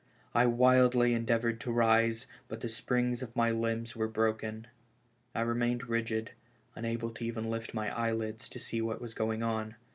I wildly endeav ored to rise, but the springs of my limbs were broken. I remained rigid, unable even to lift my eyelid^ to see what was going on.